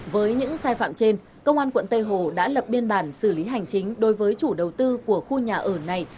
với những sai phạm trên công an quận tây hồ đã lập biên bản xử lý hành chính đối với chủ đầu tư của khu nhà ở này